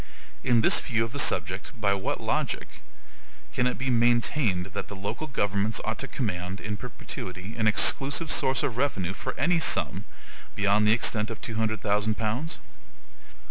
In this view of the subject, by what logic can it be maintained that the local governments ought to command, in perpetuity, an EXCLUSIVE source of revenue for any sum beyond the extent of two hundred thousand pounds?